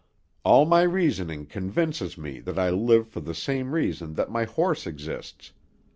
All my reasoning convinces me that I live for the same reason that my horse exists.